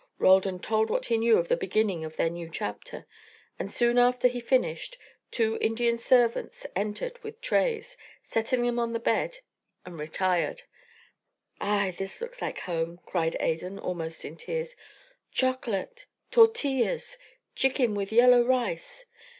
Roldan told what he knew of the beginning of their new chapter, and soon after he finished two Indian servants entered with trays, set them on the bed, and retired. "Ay! this looks like home," cried Adan, almost in tears. "Chocolate! Tortillas! Chicken with yellow rice!"